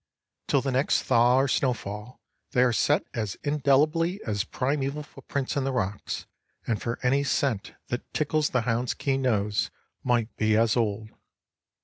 Till the next thaw or snowfall, they are set as indelibly as primeval footprints in the rocks, and for any scent that tickles the hounds' keen nose, might be as old.